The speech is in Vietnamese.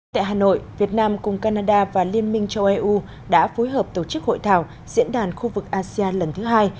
tại hà nội việt nam cùng canada và liên minh châu âu đã phối hợp tổ chức hội thảo diễn đàn khu vực asean lần thứ hai